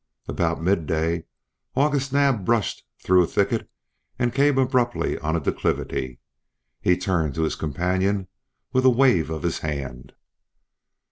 About midday August Naab brushed through a thicket, and came abruptly on a declivity. He turned to his companion with a wave of his hand.